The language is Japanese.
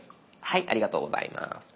ありがとうございます。